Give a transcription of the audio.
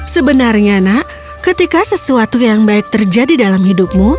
sebenarnya nak ketika sesuatu yang baik terjadi dalam hidupmu